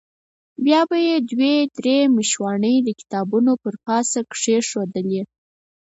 بیا به یې دوې درې مشواڼۍ د کتابونو پر پاسه کېښودلې.